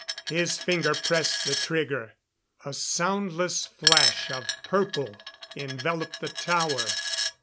His finger pressed the trigger. A soundless flash of purple enveloped the tower.